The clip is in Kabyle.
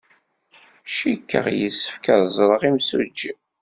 Cikkeɣ yessefk ad ẓreɣ imsujji.